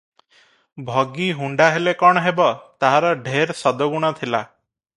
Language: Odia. ଭଗି ହୁଣ୍ତା ହେଲେ କଣ ହେବ, ତାହାର ଢେର ସଦଗୁଣ ଥିଲା ।